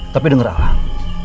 tapi denger alang